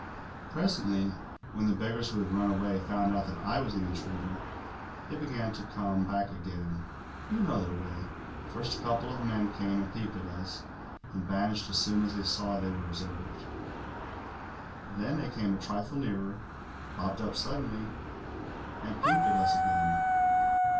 "Presently, when the beggars who had run away found out that I was the intruder, they began to come back again. You know their way. First a couple of men came and peeped at us, and vanished as soon as they saw they were observed. Then they came a trifle nearer, bobbed up suddenly, and peeped at us again.